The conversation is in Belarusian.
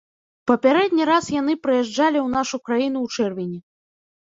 Папярэдні раз яны прыязджалі ў нашу краіну ў чэрвені.